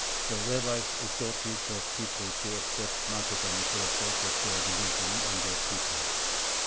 The rabbis exhorted the people to accept martyrdom for the sake of their religion and their people.